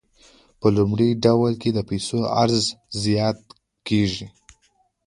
په لومړي ډول کې د پیسو عرضه زیاته کیږي.